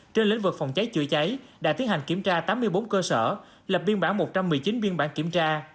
trên lĩnh vực phòng cháy chữa cháy đã tiến hành kiểm tra tám mươi bốn cơ sở lập biên bản một trăm một mươi chín biên bản kiểm tra